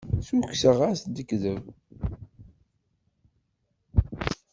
Ssukkseɣ-as-d lekdeb.